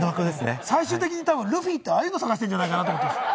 最終的にルフィってああいうのを探してるんじゃないかと思う。